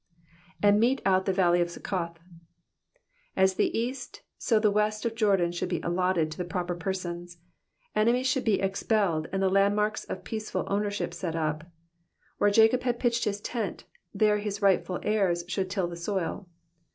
^''And mete out the vaUep of Succoth.''^ As the east so the west of Jordan should be allotted to the proper persons. Enemies should be expelled, and the landmarks of peaceful ownership set up. Where Jacob had pitched his tent, there his rightful heirs should till the soil.